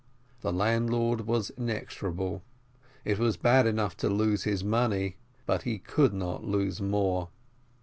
The landlord was inexorable. It was bad enough to lose his money, but he could not lose more.